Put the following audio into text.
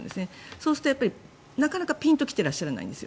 そうすると、なかなかピンと来てらっしゃらないんです。